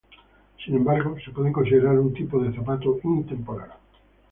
Sin embargo, se pueden considerar un tipo de zapato intemporal.